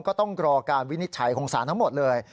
ก็ต้องรอการวินิจฉัยของสารทั้งหมดเลย